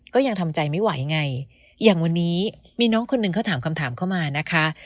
ก็ยังทำใจไม่ไหวไงอย่างวันนี้มีน้องคนหนึ่งเขาถามคำถามเข้ามานะคะ